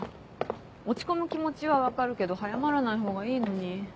落ち込む気持ちは分かるけど早まらない方がいいのに。